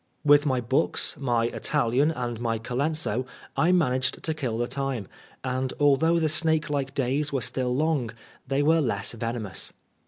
With my books, my Italian, and my Colenso, I managed to kill the time ; and although the snake like days were still long, they were less veno mous.